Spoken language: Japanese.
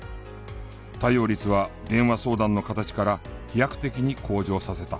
対応率は電話相談の形から飛躍的に向上させた。